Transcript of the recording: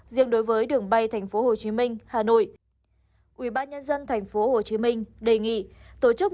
riêng đối với đường bay tp hcm hà nội ubnd tp hcm đề nghị tổ chức